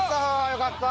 よかった。